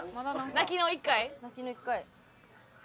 泣きの１回？